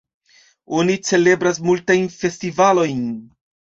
Oni celebras multajn festivalojn.